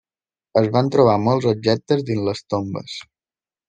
Es van trobar molts objectes dins les tombes.